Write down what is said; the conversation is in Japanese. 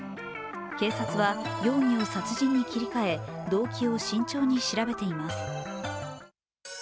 警察は容疑を殺人に切り替え動機を慎重に調べています。